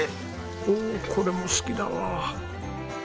おおこれも好きだわ。